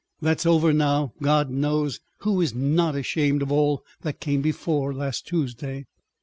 That's over now. God knows, who is not ashamed of all that came before last Tuesday."